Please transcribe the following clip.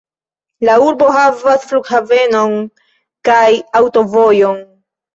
La urbo havas flughavenon kaj aŭtovojon.